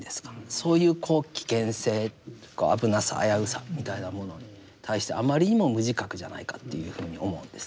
そういう危険性というか危なさ危うさみたいなものに対してあまりにも無自覚じゃないかというふうに思うんです。